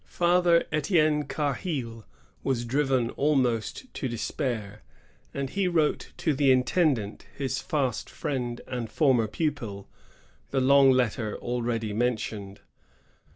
Father ]fetienne Car heil was driven almost to despair; and he wrote to the intendant, his fast friend and former pupil, the long letter already mentioned.